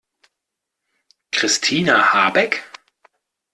Christina Habeck?